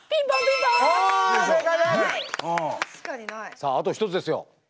さああと１つですよ。